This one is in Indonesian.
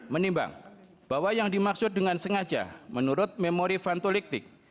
menimbang bahwa yang dimaksud dengan sengaja menurut memori fantoliktik